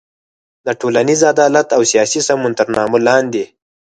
د ټولنیز عدالت او سیاسي سمون تر نامه لاندې